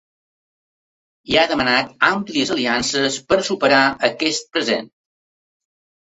I ha demanat ‘àmplies aliances per a superar aquest present’.